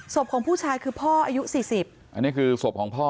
ของผู้ชายคือพ่ออายุสี่สิบอันนี้คือศพของพ่อ